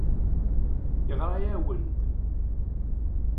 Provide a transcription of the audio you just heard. Yeɣra-awen-d.